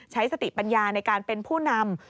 ใช้สติปัญญาในการเป็นผู้นำ